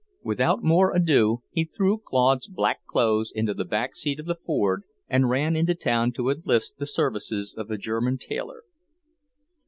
Without more ado he threw Claude's black clothes into the back seat of the Ford and ran into town to enlist the services of the German tailor.